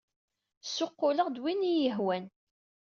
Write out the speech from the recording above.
Ssuqquleɣ-d win ay iyi-yehwan!